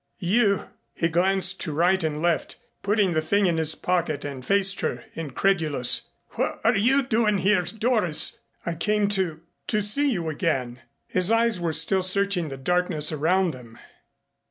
"You!" He glanced to right and left, putting the thing in his pocket and faced her, incredulous. "What are you doing here, Doris?" "I came to to see you again " His eyes were still searching the darkness around them.